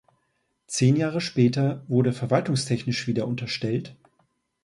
Zehn Jahre später wurde verwaltungstechnisch wieder unterstellt.